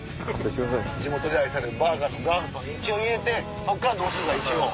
地元で愛されるバーガーの元祖一応入れてそっからどうするか一応。